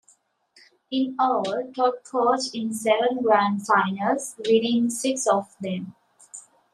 In all, Todd coached in seven Grand Finals, winning six of them.